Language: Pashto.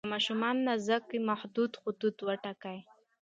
که ماشوم ناز کوي، محدوده حدود وټاکئ.